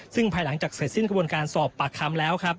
ซึ่งภายหลังจากเสร็จสิ้นกระบวนการสอบปากคำแล้วครับ